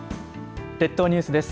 列島ニュースです。